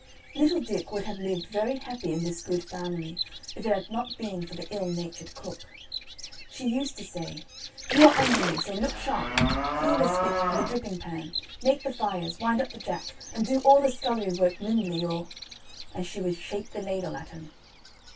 Little Dick would have lived very happy in this good family if it had not been for the ill natured cook. She used to say: "You are under me, so look sharp; clean the spit and the dripping pan, make the fires, wind up the jack, and do all the scullery work nimbly, or " and she would shake the ladle at him.